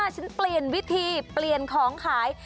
ฉันเปลี่ยนวิธีเปลี่ยนของขาย